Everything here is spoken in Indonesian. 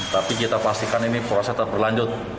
tapi kita pastikan ini proses terperlanjut